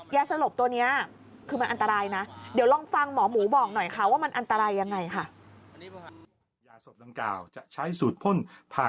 ยาสลบตัวนี้คือมันอันตรายนะ